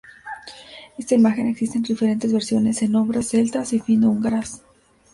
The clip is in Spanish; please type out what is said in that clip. Esta imagen existe en diferentes versiones, en obras celtas y fino-húngaras.